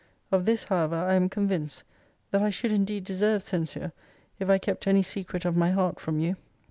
Of this, however, I am convinced, that I should indeed deserve censure, if I kept any secret of my heart from you.